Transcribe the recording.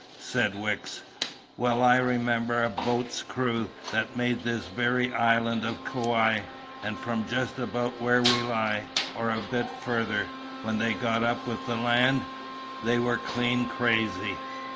said Wicks. "Well I remember a boat's crew that made this very island of Kauai, and from just about where we lie, or a bit further. When they got up with the land, they were clean crazy.